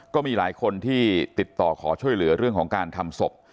ก็มีหลายคนที่ติดต่อขอช่วยเหลือเรื่องของการทำศพ